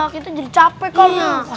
kita jadi capek